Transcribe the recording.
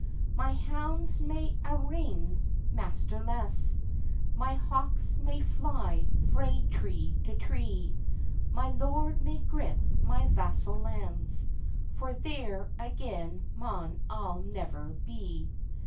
"My hounds may a' rin masterless, My hawks may fly frae tree to tree; My lord may grip my vassal lands, For there again maun I never be."